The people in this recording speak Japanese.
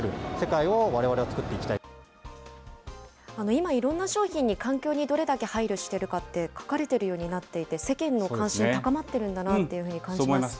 今、いろんな商品に環境にどれだけ配慮してるかって書かれてるようになっていて、世間の関心、高まっているんだなと感じます。